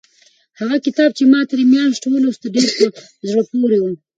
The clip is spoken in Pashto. هغه کتاب چې ما تېره میاشت ولوست ډېر په زړه پورې و.